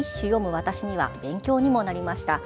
私には勉強にもなりました。